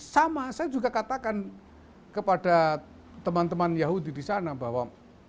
sama saya juga katakan kepada teman teman yahudi di sana bahwa